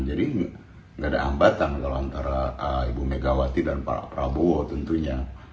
jadi gak ada hambatan kalau antara ibu megawati dan pak prabowo tentunya